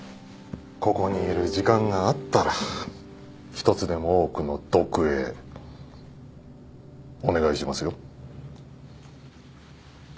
ここにいる時間があったら１つでも多くの読影お願いしますよ。